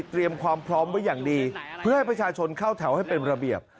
ความพร้อมไว้อย่างดีเพื่อให้ประชาชนเข้าแถวให้เป็นระเบียบ